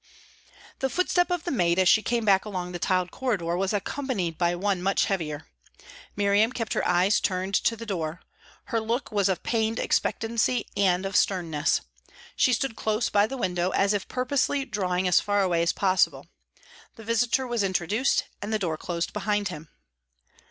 The footstep of the maid as she came back along the tiled corridor was accompanied by one much heavier. Miriam kept her eyes turned to the door; her look was of pained expectancy and of sternness. She stood close by the window, as if purposely drawing as far away as possible. The visitor was introduced, and the door closed behind him.